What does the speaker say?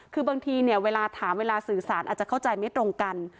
คือบางทีเนี่ยเวลาถามเวลาสื่อสารอาจจะเข้าใจไม่ตรงกัน